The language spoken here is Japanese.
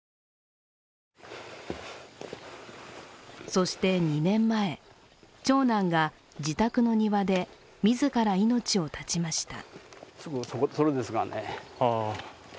そして２年前、長男が自宅の庭で自ら命を絶ちました。